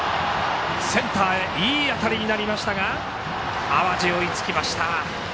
センターへのいい当たりでしたが淡路、追いつきました。